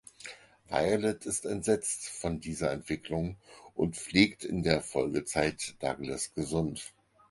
Violet ist entsetzt von dieser Entwicklung und pflegt in der Folgezeit Douglas gesund.